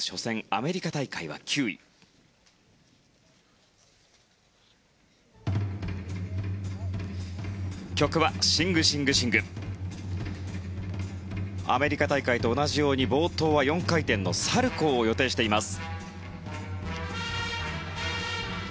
アメリカ大会と同じように冒頭は４回転サルコウを予定しています。